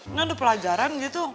ini udah pelajaran gitu